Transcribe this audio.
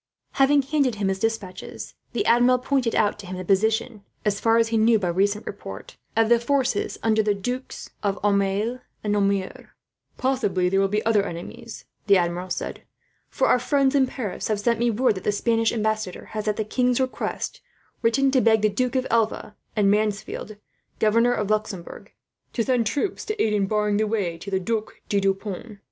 Having handed him his despatches, the Admiral pointed out to him the position, as far as he knew by recent report, of the forces under the Dukes of Aumale and Nemours. "Possibly there will be other enemies," the Admiral said; "for our friends in Paris have sent me word that the Spanish ambassador has, at the king's request, written to beg the Duke of Alva, and Mansfeld, governor of Luxembourg, to send troops to aid in barring the way to the Duc de Deux Ponts.